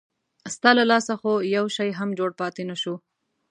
ستا له لاسه خو یو شی هم جوړ پاتې نه شو.